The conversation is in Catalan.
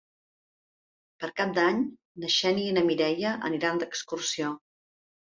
Per Cap d'Any na Xènia i na Mireia aniran d'excursió.